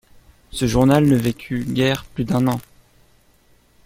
Ce journal ne vécut guère plus d’un an.